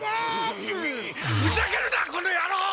ふざけるなこのやろう！